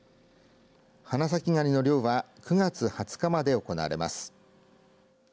花咲ガニの漁は９月２０日まで行われます。